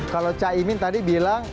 kalau caimin tadi bilang